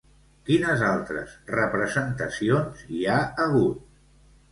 Quines altres representacions hi ha hagut?